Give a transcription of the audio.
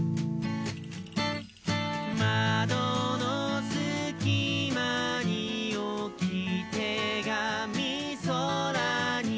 「まどのすきまにおきてがみそらに」